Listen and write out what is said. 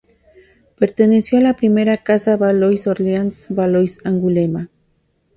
Perteneció a la primera casa de Valois-Orleans, Valois-Angulema.